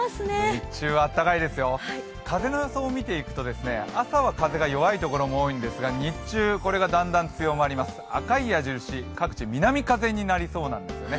日中は暖かいですよ風の予想を見ていくと朝は風が弱いところも多いんですが、日中、これがだんだん強まります、赤い矢印、各地南風になりそうなんですよね。